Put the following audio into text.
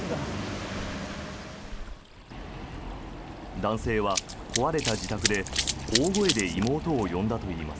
男性は、壊れた自宅で大声で妹を呼んだといいます。